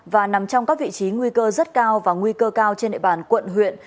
và nằm trong các vị trí nguy cơ rất cao và nguy cơ cao trên nệ bản quận huyện